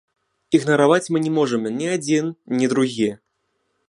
Ігнараваць мы не можам ні адзін, ні другі.